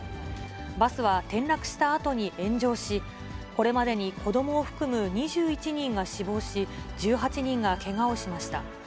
バスは転落したあとに炎上し、これまでに子どもを含む２１人が死亡し、１８人がけがをしました。